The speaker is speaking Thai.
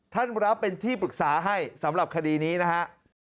ท่านรับเป็นที่ปรึกษาให้สำหรับคดีนี้นะฮะ